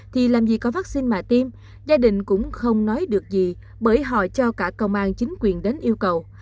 thì làm gì có vaccine mà tiêm gia đình cũng không nói được gì bởi họ cho cả công an chính quyền đến yêu cầu